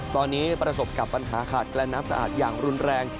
ตอนนี้ประสบกับปัญหาขาดแคลนน้ำสะอาดอย่างรุนแรง